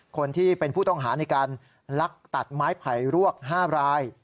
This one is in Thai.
คนที่เป็นผู้ต้องหาในการลักตัดไม้ไผ่รวก๕ราย